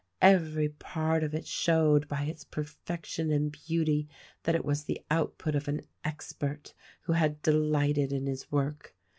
Every part of it showed by its perfection and beauty that it was the output of an expert who had delighted in his work.